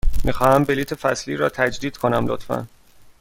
می خواهم بلیط فصلی را تجدید کنم، لطفاً.